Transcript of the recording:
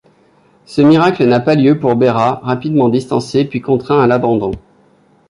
Ce miracle n'a pas lieu pour Behra rapidement distancé puis contraint à l'abandon.